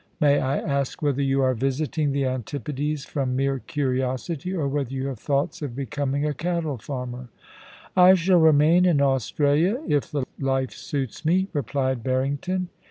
May I ask whether you are visiting the Antipodes from mere curiosity, or whether you have thoughts of becoming a cattle farmer ?I shall remain in Australia, if the life suits me,' replied Barrington.